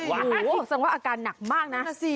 โหสำหรับอาการหนักมากนะ